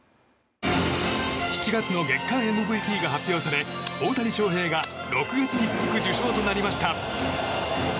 ７月の月間ＭＶＰが発表され大谷翔平が６月に続く受賞となりました。